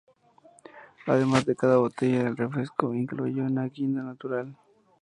Además, cada botella del refresco incluye una guinda natural.